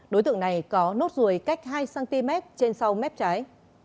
đối tượng này có nốt ruồi cách hai cm trên sau mép trái